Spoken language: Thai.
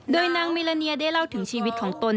โดยนางมิลาเนียได้เล่าถึงชีวิตของตน